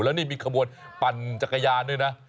แล้วนี่มีขบวนปั่นจักรยานด้วยนะ